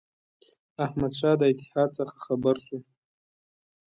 احمدشاه د اتحاد څخه خبر شو.